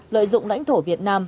lợi dụng lãnh thổ việt nam